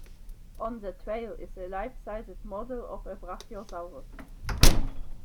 On the trail is a life-sized model of a brachiosaurus.